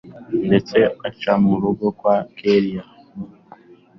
ndetse aca murugo kwa kellia